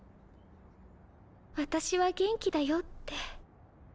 私は元気だよって。